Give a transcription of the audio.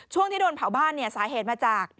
ช่วงที่โดนเผาบ้านเนี่ยสาเหตุมาจาก